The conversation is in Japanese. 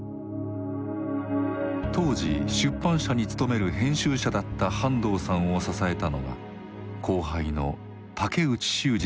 当時出版社に勤める編集者だった半藤さんを支えたのが後輩の竹内修司さんです。